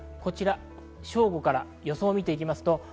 正午から予想を見ていきます。